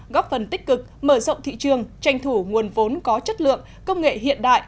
góp phần tích cực mở rộng thị trường tranh thủ nguồn vốn có chất lượng công nghệ hiện đại